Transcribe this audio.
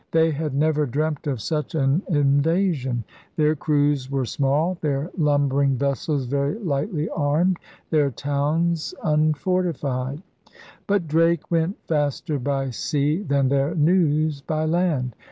They had never dreamt of such an inva sion. Their crews were small, their lumbering 9 130 ELIZABETHAN SEA DOGS vessels very lightly armed, their towns unforti fied. But Drake went faster by sea than their news by land.